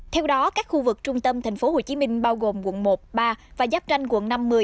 theo đó các khu vực trung tâm tp hcm bao gồm quận một ba và giáp tranh quận năm mươi